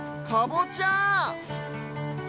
かぼちゃ！